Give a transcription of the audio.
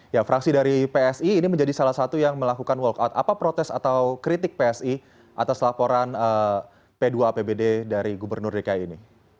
ya fraksi dari psi ini menjadi salah satu yang melakukan walk out apa protes atau kritik psi atas laporan p dua apbd dari gubernur dki ini